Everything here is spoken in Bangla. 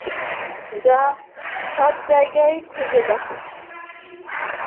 যা, সব জায়গায় খুঁজে দেখ।